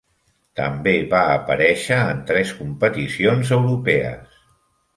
També va aparèixer en tres competicions europees.